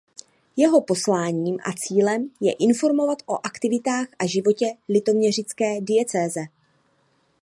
Jeho posláním a cílem je informovat o aktivitách a životě litoměřické diecéze.